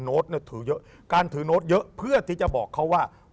ถือเยอะการถือโน้ตเยอะเพื่อที่จะบอกเขาว่า